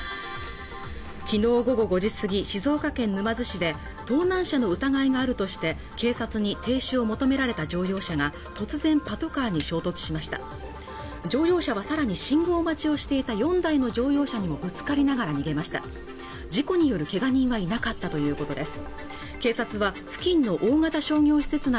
昨日午後５時過ぎ静岡県沼津市で盗難車の疑いがあるとして警察に停止を求められた乗用車が突然パトカーに衝突しました乗用車はさらに信号待ちをしていた４台の乗用車にもぶつかりながら逃げました事故によるけが人はいなかったということです